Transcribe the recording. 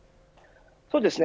そうですね。